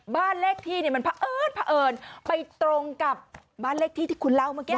บ้านเลขที่เนี่ยมันเผอิญเผอิญไปตรงกับบ้านเลขที่ที่คุณเล่าเมื่อกี้